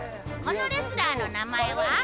このレスラーの名前は？